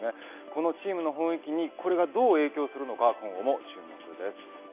このチームの雰囲気に、これがどう影響するのか今後も注目です。